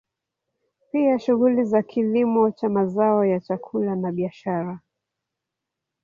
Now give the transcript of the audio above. Pia shughuli za kilimo cha mazao ya chakula na biashara